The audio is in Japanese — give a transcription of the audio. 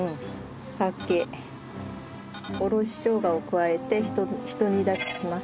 酒おろししょうがを加えてひと煮立ちします。